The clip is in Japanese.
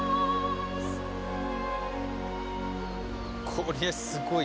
これすごい！